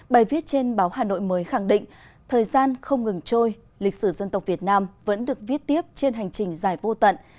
bài viết trên báo hà nội mới khẳng định thời gian không ngừng trôi lịch sử dân tộc việt nam vẫn được viết tiếp trên hành trình dài vô tận